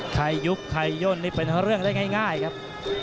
ยุบใครย่นนี่เป็นเรื่องได้ง่ายครับ